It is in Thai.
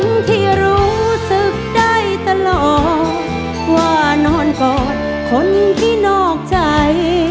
ที่รู้สึกได้ตลอดว่านอนกอดคนที่นอกใจ